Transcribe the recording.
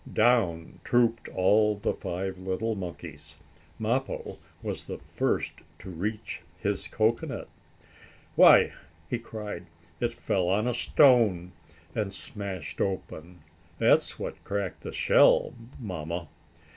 Down trooped all the five little monkeys, Mappo was the first to reach his cocoanut. "Why!" he cried. "It fell on a stone, and smashed open. That's what cracked the shell, Mamma."